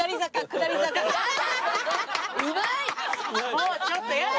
もうちょっとやだ。